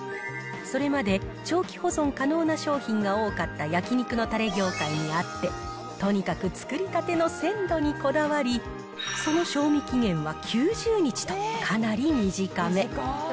それまで長期保存可能な商品が多かった焼肉のたれ業界にあって、とにかく作りたての鮮度にこだわり、その賞味期限は９０日と、かなり短め。